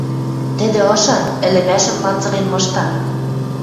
Тӹдӹ ышан, ӹлӹмӓшӹм ланзылен мышта.